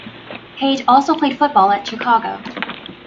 Page also played football at Chicago.